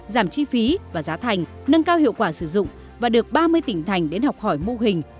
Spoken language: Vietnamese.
giảm chi phí và giá thành nâng cao hiệu quả sử dụng và được ba mươi tỉnh thành đến học hỏi mô hình